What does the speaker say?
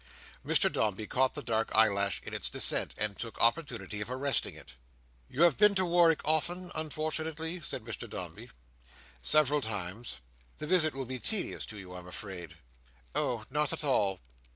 Mr Dombey caught the dark eyelash in its descent, and took the opportunity of arresting it. "You have been to Warwick often, unfortunately?" said Mr Dombey. "Several times." "The visit will be tedious to you, I am afraid." "Oh no; not at all."